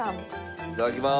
いただきます。